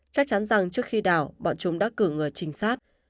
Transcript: chắc chắn rằng trước khi đào bọn chúng đã cử người trình sát